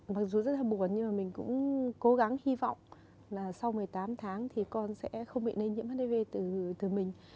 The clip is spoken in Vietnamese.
mặc dù rất là buồn nhưng mà mình cũng cố gắng hy vọng là sau một mươi tám tháng thì con sẽ không bị nây nhiễm hát đi vê từ mình